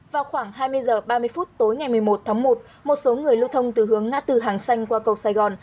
vào khoảng hai mươi h ba mươi phút tối ngày một mươi một tháng một một số người lưu thông từ hướng ngã từ hàng xanh qua cầu sài gòn